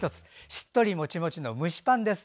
しっとりモチモチの蒸しパンです。